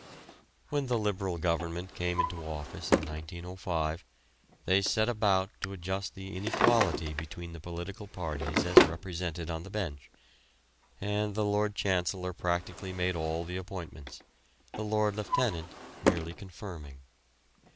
When the Liberal Government came into office in 1905, they set about to adjust the inequality between the political parties as represented on the bench, and the Lord Chancellor practically made all the appointments, the Lord Lieutenant merely confirming.